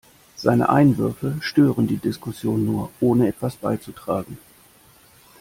Seine Einwürfe stören die Diskussion nur, ohne etwas beizutragen.